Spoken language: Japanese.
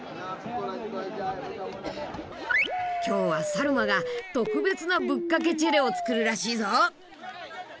今日はサルマが特別なぶっかけチェレを作るらしいぞ。